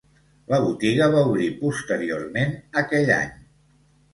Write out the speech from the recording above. La botiga va obrir posteriorment aquell any.